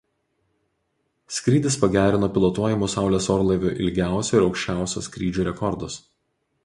Skrydis pagerino pilotuojamų saulės orlaivių ilgiausio ir aukščiausio skrydžių rekordus.